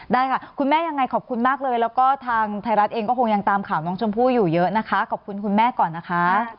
ได้ค่ะคุณแม่ยังไงขอบคุณมากเลยแล้วก็ทางไทยรัฐเองก็คงยังตามข่าวน้องชมพู่อยู่เยอะนะคะขอบคุณคุณแม่ก่อนนะคะ